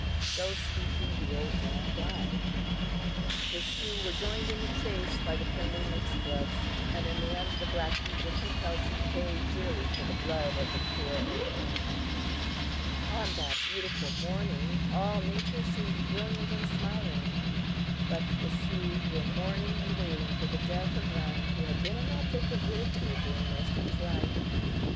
So speaking, the old man died. The Sioux were joined in the chase by the friendly mixedbloods, and in the end the Blackfeet were compelled to pay dearly for the blood of the poor old man. On that beautiful morning all Nature seemed brilliant and smiling, but the Sioux were mourning and wailing for the death of one who had been an object of ridicule during most of his life.